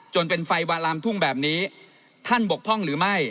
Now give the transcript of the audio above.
เป็นไฟวาลามทุ่งแบบนี้ท่านบกพร่องหรือไม่